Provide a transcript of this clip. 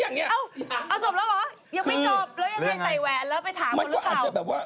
เอาจบแล้วเหรอยังไม่จบแล้วยังไงใส่แหวนแล้วไปถามเขาหรือเปล่า